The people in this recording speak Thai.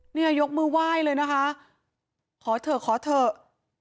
ยกมือไหว้เลยนะคะขอเถอะขอเถอะ